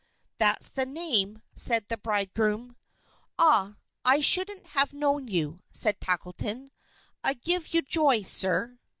"That's the name," said the bridegroom. "Ah, I shouldn't have known you," said Tackleton. "I give you joy, sir."